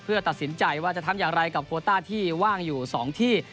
เพื่อตัดสินใจว่าจะทำอย่างไรกับโคต้าที่ว่างอยู่๒ที่